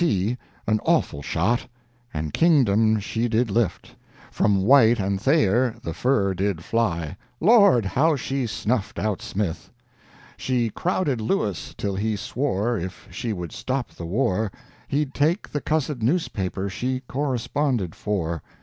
T. an awful shot, And Kingdom she did lift; From White and Thayer the fur did fly— Lord! how she snuffed out Smith! "She crowded Lewis till he swore If she would stop the war, He'd take the cussed newspaper She corresponded for.